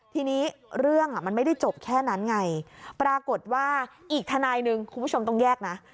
ทีนี้เรื่องมันไม่ได้จบแค่นั้นไงปรากฏว่าอีกทนายหนึ่งคุณผู้ชมต้องแยกนะ